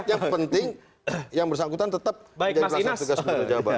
yang penting yang bersangkutan tetap menjadi pelaksana tugas untuk pejabat